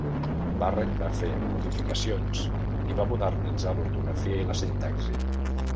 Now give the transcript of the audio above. Barrett va fer modificacions i va modernitzar l'ortografia i la sintaxi.